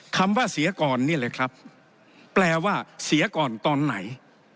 คำว่าเสียก่อนนี่แหละครับแปลว่าเสียก่อนตอนไหน